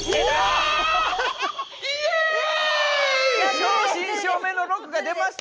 正真正銘の６が出ました。